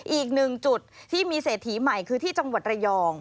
อีกหนึ่งจุดที่มีเศรษฐีใหม่คือที่จังหวัดระยอง